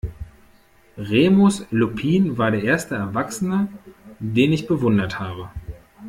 Remus Lupin war der erste Erwachsene, den ich bewundert habe.